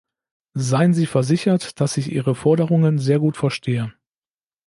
Seien Sie versichert, dass ich Ihre Forderungen sehr gut verstehe.